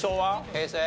平成？